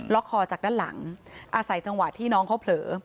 คอจากด้านหลังอาศัยจังหวะที่น้องเขาเผลอ